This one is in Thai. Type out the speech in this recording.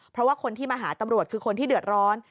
เพราะว่าคนที่มาหาตำรวจคือคนที่เดือดร้อน